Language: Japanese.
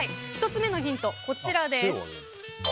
１つ目のヒント、こちらです。